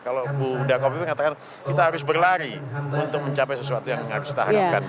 kalau bu muda kopiwe katakan kita harus berlari untuk mencapai sesuatu yang harus kita harapkan